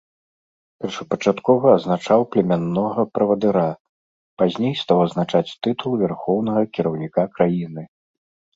Першапачаткова азначаў племяннога правадыра, пазней стаў азначаць тытул вярхоўнага кіраўніка краіны.